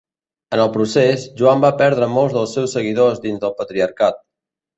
En el procés, Joan va perdre molts dels seus seguidors dins del patriarcat.